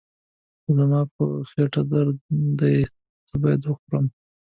زما په خېټه درد دی، څه باید وخورم؟